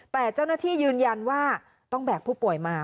แต่เจ้าหน้าที่ยืนยันว่าต้องแบกผู้ป่วยมา